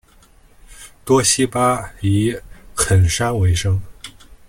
多希巴以垦山为生。